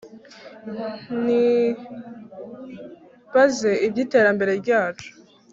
Nyibaze ibyiterambere ryacu